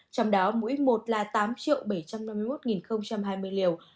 trong đó mũi một là tám bảy trăm năm mươi một hai mươi liều